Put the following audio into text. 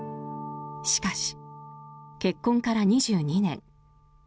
しかし結婚から２２年。